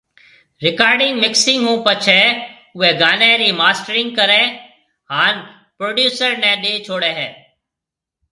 رڪارڊنگ مڪسنگ ھونپڇي اوئي گاني ري ماسٽرنگ ڪري ھان پروڊيوسر ني ڏي ڇوڙي ھيَََ